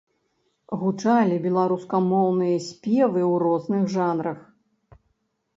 Гучалі беларускамоўныя спевы ў розных жанрах.